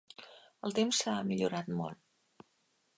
El temps ha millorat molt.